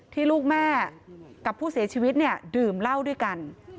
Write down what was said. ที่ลูกแม่กับผู้เสียชีวิตเนี่ยดื่มเหล้าด้วยกัน